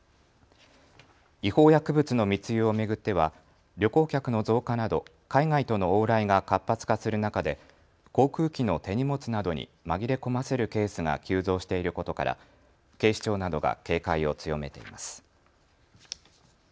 違法薬物の密輸を巡っては旅行客の増加など海外との往来が活発化する中で航空機の手荷物などに紛れ込ませるケースが急増していることから警視庁などが警戒を強めています。